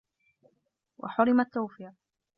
وَحُرِمَ التَّوْفِيقَ